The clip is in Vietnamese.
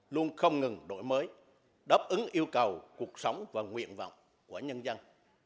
luôn không ngừng đổi mới đáp ứng yêu cầu cuộc sống và nguyện vọng của nhân dân